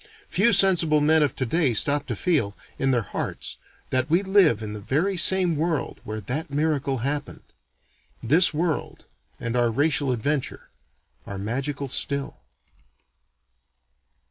Few sensible men of today stop to feel, in their hearts, that we live in the very same world where that miracle happened. This world, and our racial adventure, are magical still.